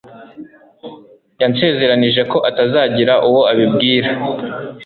Yansezeranije ko atazagira uwo abibwira.